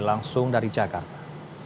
langsung dari jakarta